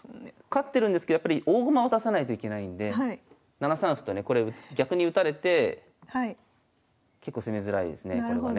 勝ってるんですけどやっぱり大駒を出さないといけないんで７三歩とねこれ逆に打たれて結構攻めづらいですねこれね。